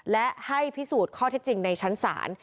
และให้พิสูจน์ข้อเท็จจริงในชั้นศาล